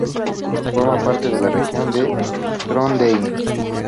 Forma parte de la región de Trondheim.